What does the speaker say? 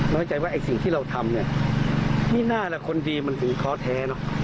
น้อยใจว่าอีกสิ่งที่เราทำนี่น่าจะคนดีมันถึงข้อแท้